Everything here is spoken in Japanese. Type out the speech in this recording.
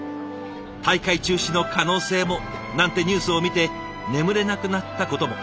「大会中止の可能性も」なんてニュースを見て眠れなくなったことも。